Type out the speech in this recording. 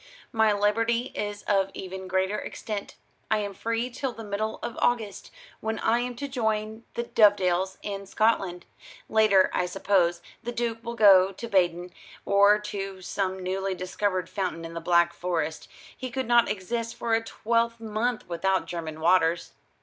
"My liberty is of even greater extent. I am free till the middle of August, when I am to join the Dovedales in Scotland. Later, I suppose, the Duke will go to Baden, or to some newly discovered fountain in the Black Forest. He could not exist for a twelvemonth without German waters."